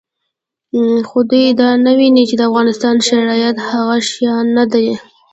خو دوی دا نه ویني چې د افغانستان شرایط هغه شان نه دي